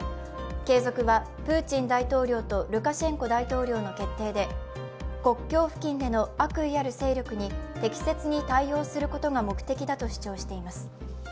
継続はプーチン大統領とルカシェンコ大統領の決定で、国境付近での悪意ある勢力に適切に対応することが目的だと主張しています。